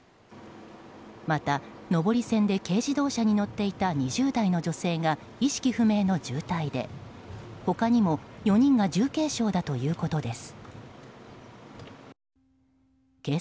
また、上り線で軽自動車に乗っていた２０代の女性が意識不明の重体で他にも４人が重軽傷だということです。